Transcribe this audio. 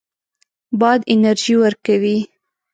باد انرژي ورکوي.